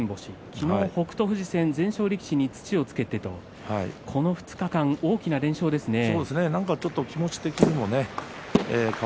昨日は北勝富士戦全勝力士に土をつけてとこの２日間大きな連勝ですね。